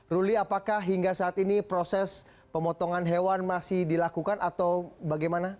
ruli apakah hingga saat ini proses pemotongan hewan masih dilakukan atau bagaimana